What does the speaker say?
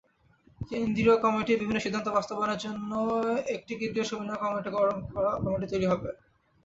কেন্দ্রীয় কমিটির বিভিন্ন সিদ্ধান্ত বাস্তবায়নের জন্য একটি কেন্দ্রীয় সমন্বয় কমিটি তৈরি হবে।